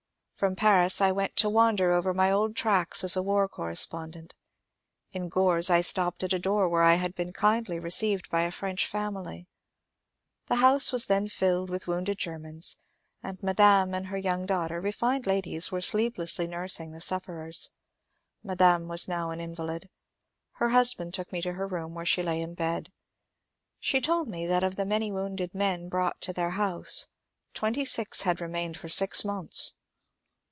From Paris I went to wander over my old tracks as a war correspondent. In Gorze I stopped at a door where I had been kindly received by a French family. The house was then filled with wounded Germans, and madame and her young daughter, refined ladies, were sleeplessly nursing the sufferers. Madame was now an invalid. Her husband took me to her room, where she lay in bed. She told me that of the many wounded men brought to their house, twenty six had remained for six months.